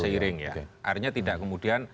seiring artinya tidak kemudian